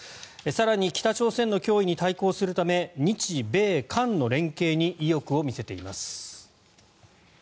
更に北朝鮮の脅威に対抗するため日米韓の連携に意欲を見せています。